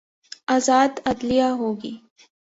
آزاد عدلیہ ہو گی۔